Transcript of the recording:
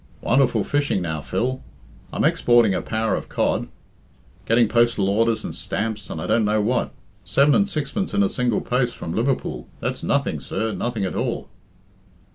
"Wonderful fishing now, Phil. I'm exporting a power of cod. Gretting postal orders and stamps, and I don't know what. Seven and sixpence in a single post from Liverpool that's nothing, sir, nothing at all."